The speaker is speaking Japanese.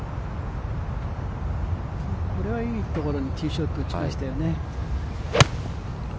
これはいいところにティーショットを打ちましたよね。